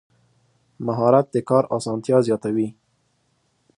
مهارت د کار اسانتیا زیاتوي.